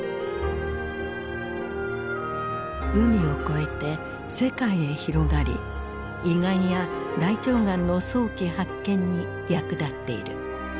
海を越えて世界へ広がり胃がんや大腸がんの早期発見に役立っている。